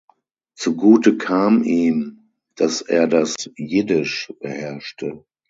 Zugute kam ihm, dass er das Jiddisch beherrschte.